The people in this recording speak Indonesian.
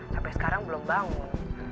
sampai sekarang belum bangun